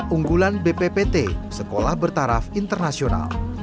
unggulan bppt sekolah bertaraf internasional